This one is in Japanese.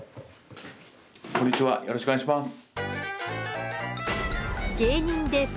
こんにちはよろしくお願いします。